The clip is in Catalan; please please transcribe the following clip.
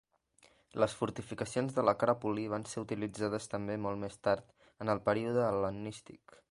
Les fortificacions de l'acròpoli van ser utilitzades també molt més tard, en el període hel·lenístic.